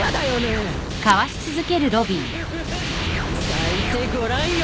咲いてごらんよ！